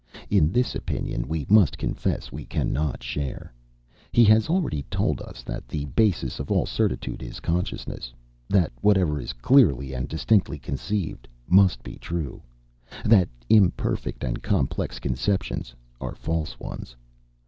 In this opinion we must confess we cannot share. He has already told us that the basis of all certitude is consciousness that whatever is clearly and distinctly conceived, must be true that imperfect and complex conceptions are false ones.